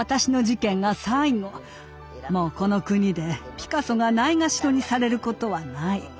もうこの国でピカソがないがしろにされることはない。